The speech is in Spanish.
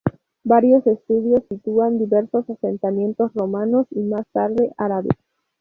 Varios estudios sitúan diversos asentamientos romanos y más tarde árabes.